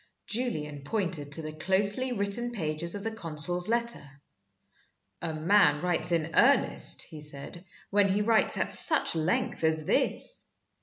Julian pointed to the closely written pages of the consul's letter. "A man writes in earnest," he said, "when he writes at such length as this.